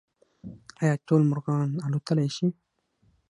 ایا ټول مرغان الوتلی شي؟